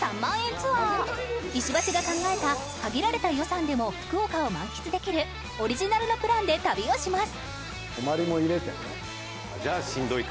ツアー石橋が考えた限られた予算でも福岡を満喫できるオリジナルのプランで旅をします